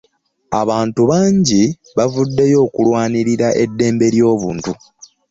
Abantu bangi bavuddeyo okulwanirira eddembe ly'obuntu